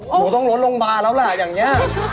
โอ้โฮต้องลดโรงพยาบาลแล้วละอย่างนี้